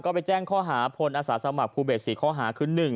ก็ไปแจ้งข้อหาพลอาสาสมัครภูเบส๔ข้อหาคือ